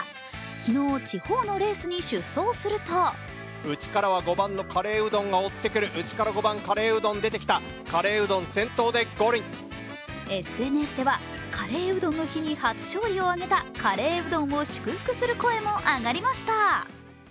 昨日、地方のレースに出走するとＳＮＳではカレーうどんの日に初勝利を挙げたカレーウドンを祝福する声も上がりました。